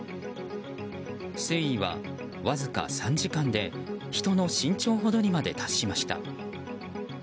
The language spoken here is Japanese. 水位は、わずか３時間で人の身長ほどにまで達しました。